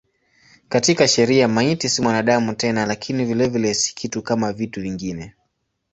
Katika sheria maiti si mwanadamu tena lakini vilevile si kitu kama vitu vingine.